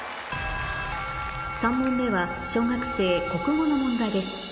３問目は小学生国語の問題です